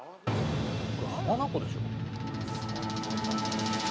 これ浜名湖でしょ？